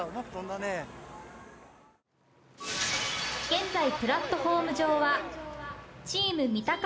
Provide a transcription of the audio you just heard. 現在プラットホーム上は。